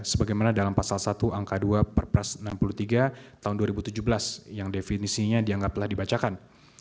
sebagaimana dalam pasal satu angka dua perpres enam puluh tiga tahun dua ribu tujuh belas yang definisinya dianggap telah dibacakan